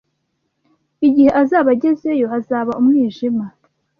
Igihe azaba agezeyo, hazaba umwijima.